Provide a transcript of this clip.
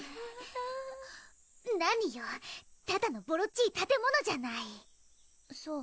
なによただのぼろっちい建物じゃないそう